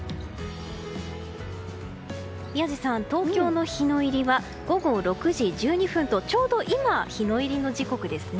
宮司さん、東京の日の入りは午後６時１２分とちょうど今日の入りの時刻ですね。